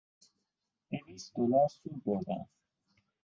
دویست دلار سود بردم.